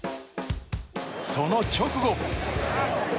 その直後。